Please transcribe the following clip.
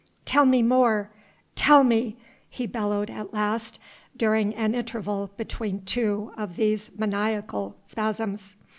"Tell me more tell me " he bellowed at last, during an interval between two of these maniacal spasms.